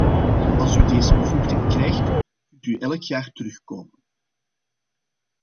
Als u deze bevoegdheid krijgt, kunt u elk jaar terugkomen.